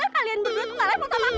kalian berdua tuh gak rela sama aku